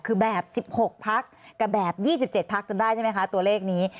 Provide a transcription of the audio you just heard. คือแบบ๑๖พักกับแบบ๒๗พักจำได้ใช่ไหมคะตัวเลขนี้